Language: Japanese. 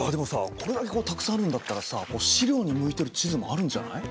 これだけこうたくさんあるんだったらさ資料に向いてる地図もあるんじゃない？